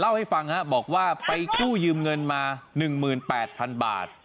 เล่าให้ฟังฮะบอกว่าไปกู้ยืมเงินมาหนึ่งหมื่นแปดพันบาท